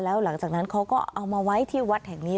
แล้วหลังจากนั้นเขาก็เอามาไว้ที่วัดแห่งนี้